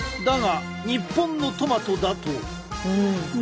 だが日本のトマトだと。